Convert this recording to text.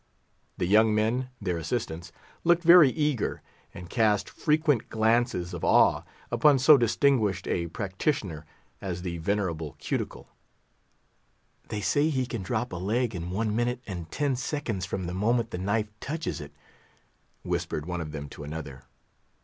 The young men, their Assistants, looked very eager, and cast frequent glances of awe upon so distinguished a practitioner as the venerable Cuticle. "They say he can drop a leg in one minute and ten seconds from the moment the knife touches it," whispered one of them to another.